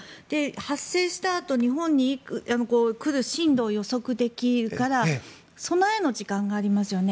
発生したあと日本に来る進路を予測できたら備えの時間がありますよね。